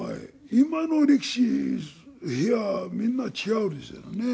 今の力士部屋みんな違うんですよね。